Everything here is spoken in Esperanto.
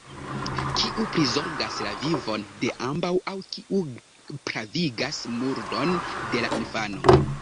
Kiu prizorgas la vivon de ambaŭ aŭ kiu pravigas murdon de la infano?